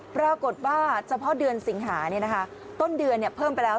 ปรากฏว่าเฉพาะเดือนสิงหาต้นเดือนเพิ่มไปแล้ว